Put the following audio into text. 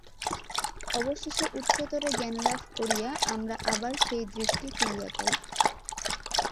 অবশেষে উচ্চতর জ্ঞানলাভ করিয়া আমরা আবার সেই দৃষ্টি ফিরিয়া পাই।